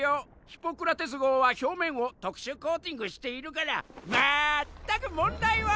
ヒポクラテス号は表面を特殊コーティングしているから全く問題は。